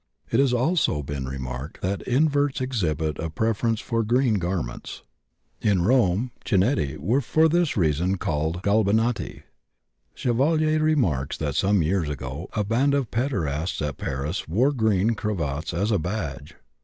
It has also been remarked that inverts exhibit a preference for green garments. In Rome cinædi were for this reason called galbanati. Chevalier remarks that some years ago a band of pederasts at Paris wore green cravats as a badge.